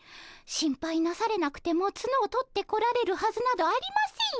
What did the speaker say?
心配なされなくてもツノを取ってこられるはずなどありませんよ。